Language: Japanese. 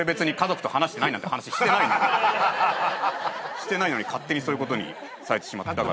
してないのに勝手にそういうことにされてしまったから。